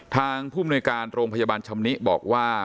ผู้มนุยการโรงพยาบาลชำนิบอกว่า